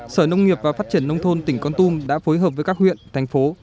sở nông nghiệp và phát triển nông thôn tỉnh con tum đã phối hợp với các huyện thành phố